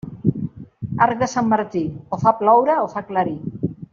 Arc de Sant Martí, o fa ploure o fa aclarir.